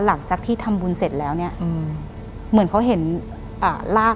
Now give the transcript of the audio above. หลังจากนั้นเราไม่ได้คุยกันนะคะเดินเข้าบ้านอืม